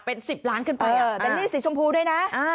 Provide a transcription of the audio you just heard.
เป็นสิบล้านขึ้นไปเอออันนี้สีชมพูด้วยนะอ่า